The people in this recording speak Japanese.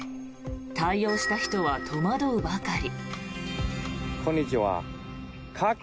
対応した人は戸惑うばかり。